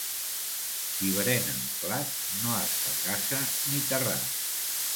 Qui berena amb plat no es fa casa ni terrat.